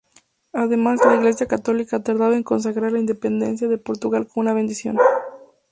Además, la Iglesia católica tardaba en consagrar la independencia de Portugal con una bendición.